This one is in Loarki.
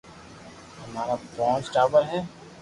امارآ پونچ ٽاٻر ھي